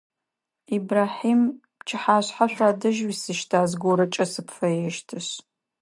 Ибрахьим, пчыхьашъхьэ шъуадэжь уисыщта, зыгорэкӏэ сыпфэещтышъ?